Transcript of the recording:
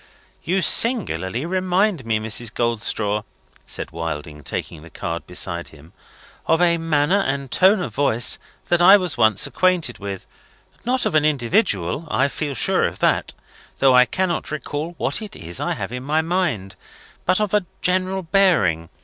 "You singularly remind me, Mrs. Goldstraw," said Wilding, taking the card beside him, "of a manner and tone of voice that I was once acquainted with. Not of an individual I feel sure of that, though I cannot recall what it is I have in my mind but of a general bearing.